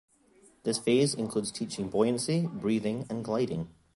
This phase includes teaching buoyancy, breathing, and gliding.